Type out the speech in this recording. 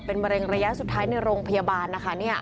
มะเร็งระยะสุดท้ายในโรงพยาบาลนะคะ